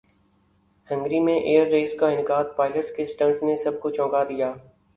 Hungary میں air race کا انعقادپائلٹس کے سٹنٹس نے سب کو چونکا دیا